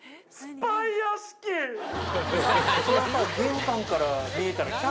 玄関から見えたらキャ！